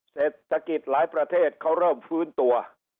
เศรษฐกิจหลายประเทศเขาเริ่มฟื้นตัว